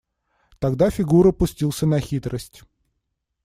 Тогда Фигура пустился на хитрость.